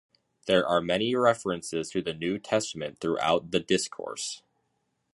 There are many references to the New Testament throughout the "Discourse".